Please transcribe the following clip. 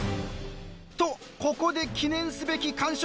とここで記念すべき完食